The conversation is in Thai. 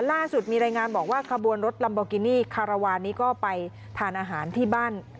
ล่าสุดมีรายงานบอกว่าขบวนรถลัมโบกินี่คาราวานนี้ก็ไปทานอาหารที่บ้าน